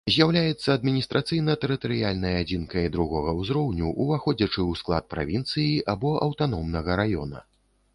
З'яўляецца адміністрацыйна-тэрытарыяльнай адзінкай другога ўзроўню, уваходзячы ў склад правінцыі або аўтаномнага раёна.